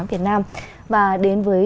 việt nam và đến với